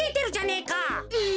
え。